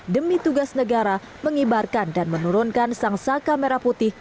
demi tugas negara mengibarkan dan menurunkan sangsaka merah putih